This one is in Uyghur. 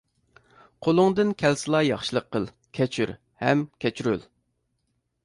قولۇڭدىن كەلسىلا ياخشىلىق قىل. كەچۈر ھەم كەچۈرۈل.